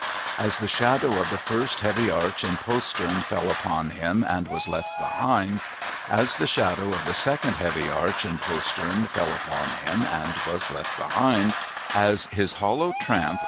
As the shadow of the first heavy arch and postern fell upon him and was left behind, as the shadow of the second heavy arch and postern fell upon him and was left behind, as his hollow tramp over HOW MR.